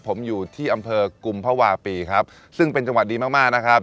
ผมอยู่ที่อำเภอกุมภาวะปีครับซึ่งเป็นจังหวัดดีมากมากนะครับ